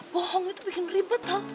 bohong itu bikin ribet dong